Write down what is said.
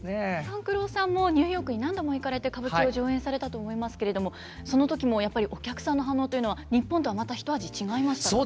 勘九郎さんもニューヨークに何度も行かれて歌舞伎を上演されたと思いますけれどもその時もやっぱりお客さんの反応というのは日本とはまたひと味違いましたか？